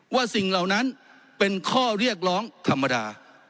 สิ่งเหล่านั้นเป็นข้อเรียกร้องธรรมดา